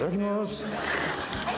はい。